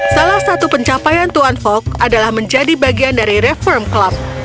salah satu pencapaian tuan fok adalah menjadi bagian dari reform club